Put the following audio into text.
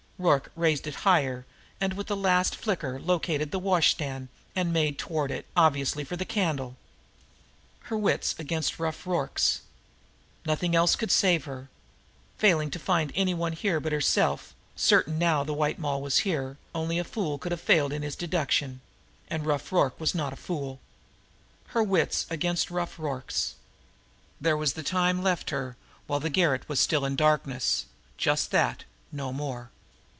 Rorke raised it higher, and with the last flicker located the washstand, and made toward it, obviously for the candle. Her wits against Rough Rorke's! Nothing else could save her! Failing to find any one here but herself, certain now that the White Moll was here, only a fool could have failed in his deduction and Rough Rorke was not a fool. Her wits against Rough Rorke's! There was the time left her while the garret was still in darkness, just that, no more!